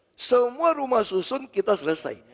dan termasuk semua rumah susun kita selesai